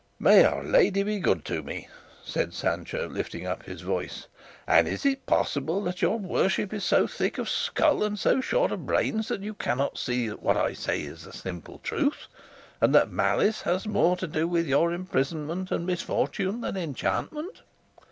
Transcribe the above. "May Our Lady be good to me!" said Sancho, lifting up his voice; "and is it possible that your worship is so thick of skull and so short of brains that you cannot see that what I say is the simple truth, and that malice has more to do with your imprisonment and misfortune than enchantment?